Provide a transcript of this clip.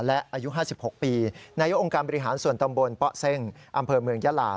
และอายุ๕๖ปีนายกองค์การบริหารส่วนตำบลป๊ะเซ่งอำเภอเมืองยาลา